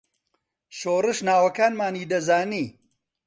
شۆڕش ناوەکانمانی دەزانی.